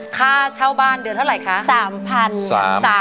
ค่าเช่าบ้านเดือนเท่าไหร่คะ๓๐๐๐บาท